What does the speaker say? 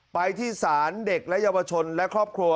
ไปที่ศาลเด็กและเยาวชนและครอบครัว